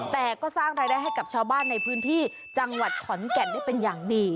แต่ก็สร้างรายได้ให้กับชาวบ้านในพื้นที่จังหวัดขอนแก่นได้เป็นอย่างดี